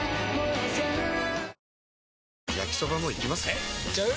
えいっちゃう？